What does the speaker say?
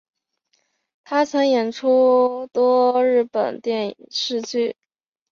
她曾演出多出日本电视剧。